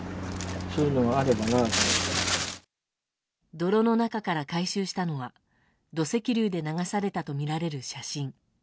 泥の中から回収したのは土石流で流されたとみられる写真。